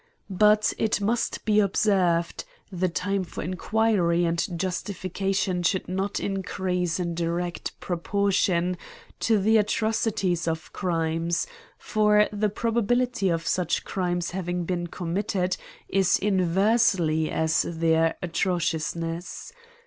But it must be observed, the time for inquiry and justification should not increase in direct pro portion to the atrociousness of crimes ; for the probability of such crimes having been committed is inversely as their atrociousness.